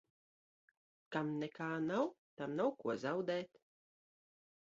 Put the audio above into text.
Kam nekā nav, tam nav ko zaudēt.